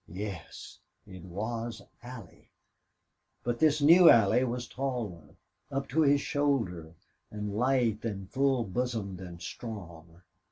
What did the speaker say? Yes it was Allie. But this new Allie was taller up to his shoulder and lithe and full bosomed and strong.